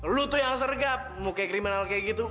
lo tuh yang sergap mau kayak krimen hal kayak gitu